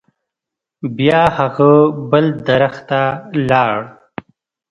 بیا هغه بل درخت ته لاړ.